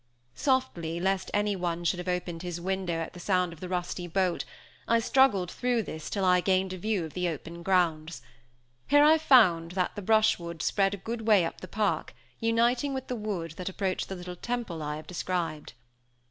Softly, lest anyone should have opened his window at the sound of the rusty bolt, I struggled through this till I gained a view of the open grounds. Here I found that the brushwood spread a good way up the park, uniting with the wood that approached the little temple I have described.